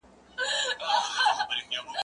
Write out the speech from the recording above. زه ځواب نه ليکم!؟!؟